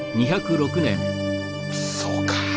そうか。